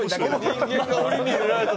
人間が檻に入れられた時